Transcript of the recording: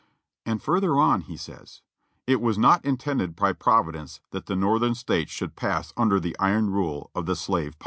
(Page 188.) And further on he says: "It was not intended by Providence that the Northern States should pass under the iron rule of the slave power."